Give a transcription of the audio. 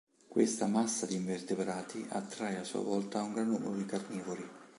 Questa massa di invertebrati attrae a sua volta un gran numero di carnivori.